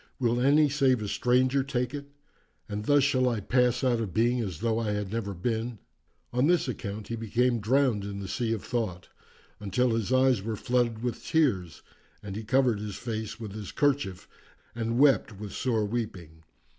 Will any save a stranger take it? And thus shall I pass out of being as though I had never been!' On this account he became drowned in the sea of thought, until his eyes were flooded with tears and he covered his face with his kerchief and wept with sore weeping.